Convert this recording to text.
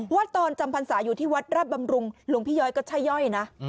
ว่าตอนจำพรรษาอยู่ที่วัดราบบำรุงหลวงพี่ย้อยก็ใช่ย่อยนะ